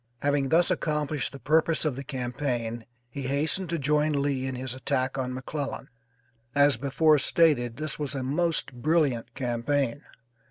Having thus accomplished the purpose of the campaign, he hastened to join Lee in his attack on McClellan. As before stated, this was a most brilliant campaign.